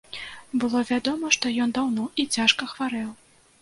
Было вядома, што ён даўно і цяжка хварэў.